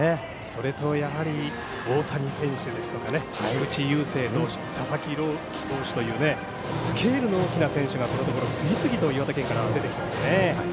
それと、大谷選手ですとか菊池雄星投手佐々木朗希投手というスケールの大きな選手がこのところ、次々と岩手県から出てきていますね。